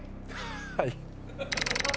はい。